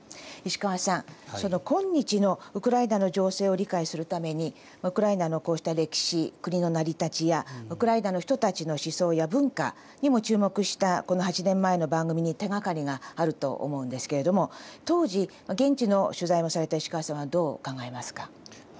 石川さんその今日のウクライナの情勢を理解するためにウクライナのこうした歴史国の成り立ちやウクライナの人たちの思想や文化にも注目したこの８年前の番組に手がかりがあると思うんですけれども当時現地の取材もされた石川さんはどう考えますか？